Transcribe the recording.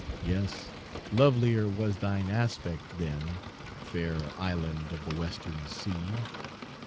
Yes, lovelier was thine aspect, then, Fair island of the Western Sea!